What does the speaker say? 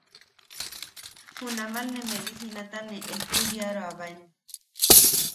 Junaman ne medicinata ne ejtudiaroabaen.